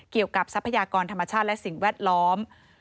ทรัพยากรธรรมชาติและสิ่งแวดล้อม